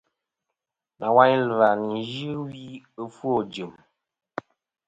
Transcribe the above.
Nawayn ɨ̀lvɨ-a nɨn yɨ wi ɨfwo ɨjɨ̀m.